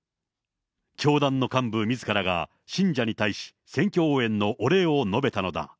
教団の幹部みずからが信者に対し、選挙応援のお礼を述べたのだ。